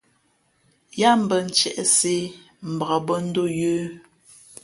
Yáá mbᾱ ntiēʼsē mbak bᾱ ndō yə̌.